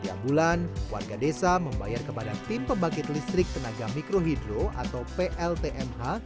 setiap bulan warga desa membayar kepada tim pembangkit listrik tenaga mikrohidro atau pltmh